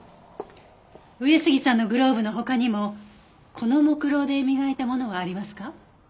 上杉さんのグローブの他にもこの木蝋で磨いたものはありますか？